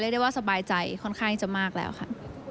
ได้ว่าสบายใจค่อนข้างจะมากแล้วค่ะ